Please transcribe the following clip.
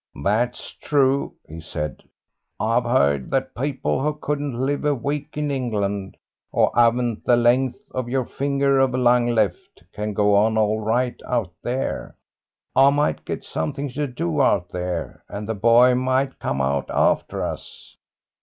"That's true," he said. "I've heard that people who couldn't live a week in England, who haven't the length of your finger of lung left, can go on all right out there. I might get something to do out there, and the boy might come out after us."